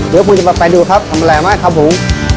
เดี๋ยวคุณจะมาไปดูครับทำอะไรมากครับผม